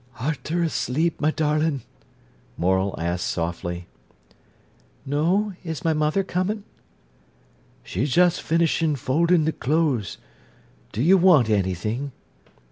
"Are ter asleep, my darlin'?" Morel asked softly. "No; is my mother comin'?" "She's just finishin' foldin' the clothes. Do you want anything?"